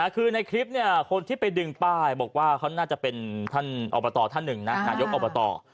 คือในคลิปคนที่ไปดึงป้ายบอกว่าเขาน่าจะเป็นท่านอบตท่านหนึ่งนะนายกอบต